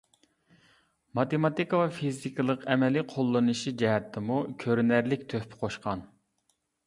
ماتېماتىكا ۋە فىزىكىلىق ئەمەلىي قوللىنىشى جەھەتتىمۇ كۆرۈنەرلىك تۆھپە قوشقان.